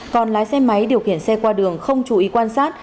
còn lái xe máy điều khiển xe qua đường không chú ý quan sát